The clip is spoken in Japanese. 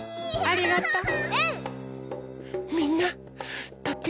ありがとう！